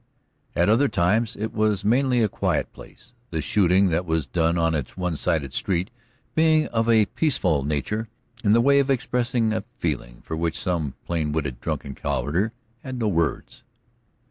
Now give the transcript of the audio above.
At other times it was mainly a quiet place, the shooting that was done on its one sided street being of a peaceful nature in the way of expressing a feeling for which some plain witted, drunken cowherder had no words.